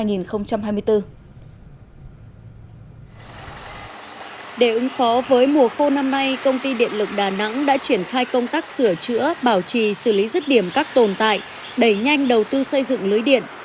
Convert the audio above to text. để ứng phó với mùa khô năm nay công ty điện lực đà nẵng đã triển khai công tác sửa chữa bảo trì xử lý rứt điểm các tồn tại đẩy nhanh đầu tư xây dựng lưới điện